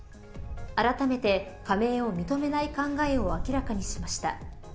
あらためて加盟を認めない考えを明らかにしました。